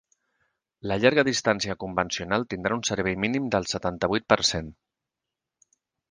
La llarga distància convencional tindrà un servei mínim del setanta-vuit per cent.